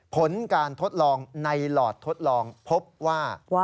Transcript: ผลการทดลองในหลอดทดลองพบว่า